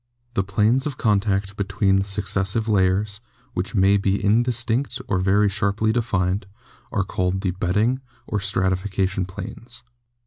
The planes of contact between the successive layers, which may be indistinct or very sharply defined, are called the bedding or stratification planes."